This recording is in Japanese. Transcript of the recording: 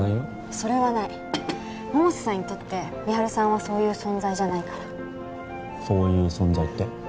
それはない百瀬さんにとって美晴さんはそういう存在じゃないからそういう存在って？